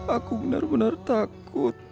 aku benar benar takut